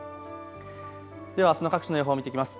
ではあすの各地の予報を見ていきます。